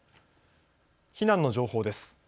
避難の情報です。